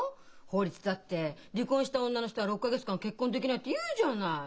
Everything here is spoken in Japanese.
法律だって離婚した女の人は６か月間結婚できないっていうじゃない！